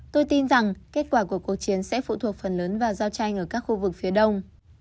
tôi tin rằng kết quả của cuộc chiến sẽ phụ thuộc phần lớn vào giao tranh ở các khu vực phía đông